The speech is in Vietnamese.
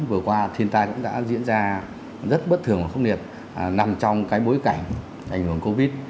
vừa qua thiên tai cũng đã diễn ra rất bất thường và khốc liệt nằm trong cái bối cảnh ảnh hưởng covid